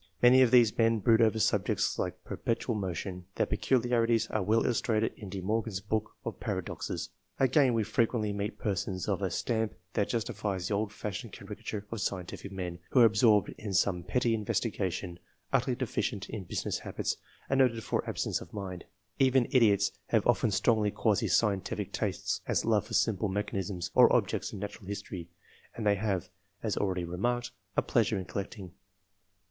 Many of these men brood over subjects like perpetual motion : their peculiarities are well illustrated in De Morgan's Book of Paradoxes. Again we frequently meet persons of a stamp that justifies the old fashioned caricature of scientific men, who are absorbed in some petty investigation, utterly deficient in business habits, and noted for ab sence of mind. Even idiots have often strongly quasi scientific tastes, as love for simple me chanism, or objects of natural history ; and they have, as already remarked, a pleasure in collect ing.